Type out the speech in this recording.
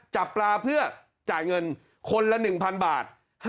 จับปลาเพื่อจ่ายเงินคนละ๑๐๐บาท